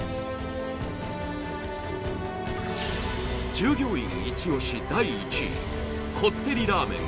従業員イチ押し第１位こってりラーメン